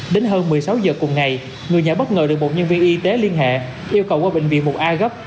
đến hơn một mươi sáu giờ cùng ngày người nhà bất ngờ được một nhân viên y tế liên hệ yêu cầu qua bệnh viện một a gấp